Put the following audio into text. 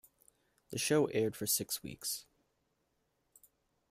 The show aired for six weeks.